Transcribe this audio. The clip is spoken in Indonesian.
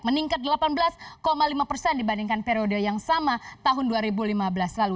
meningkat delapan belas lima persen dibandingkan periode yang sama tahun dua ribu lima belas lalu